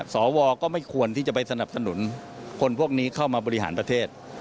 สวก็ไม่ควรที่จะไปสนับสนุนคนพวกนี้เข้ามาบริหารประเทศ